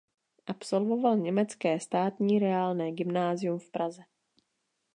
Absolvoval Německé státní reálné gymnázium v Praze.